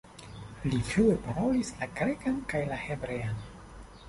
Li flue parolis la grekan kaj la hebrean.